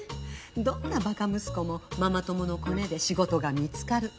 どんなバカ息子もママ友のコネで仕事が見つかる。